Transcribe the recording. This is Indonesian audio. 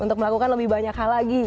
untuk melakukan lebih banyak hal lagi